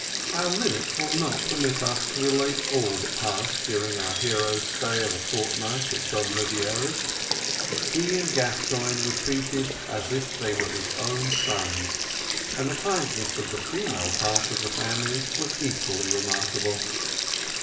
Our limits will not permit us to relate all that passed during our hero's stay of a fortnight at Don Rebiera's. He and Gascoigne were treated as if they were his own sons, and the kindness of the female part of the family was equally remarkable.